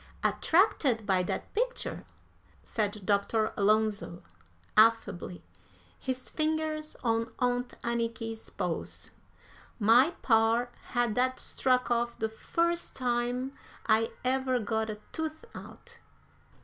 "Attracted by that picture?" said Dr. Alonzo, affably, his fingers on Aunt Anniky's pulse. "My par had that struck off the first time I ever got a tooth out.